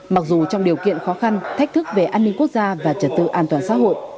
mặc dù trong điều kiện khó khăn thách thức về an ninh quốc gia và trật tự an toàn xã hội